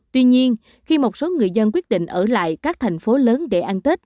tuy nhiên khi một số người dân quyết định ở lại các thành phố lớn để ăn tết